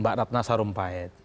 mbak ratna sarumpahit